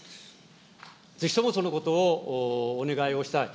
ぜひともそのことをお願いをしたい。